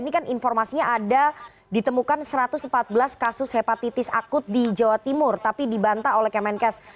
ini kan informasinya ada ditemukan satu ratus empat belas kasus hepatitis akut di jawa timur tapi dibantah oleh kemenkes